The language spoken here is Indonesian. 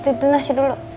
itu nasi dulu